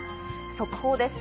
速報です。